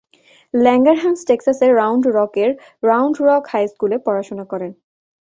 Langerhans টেক্সাসের Round রকের Round Rock High স্কুলে পড়াশোনা করেন।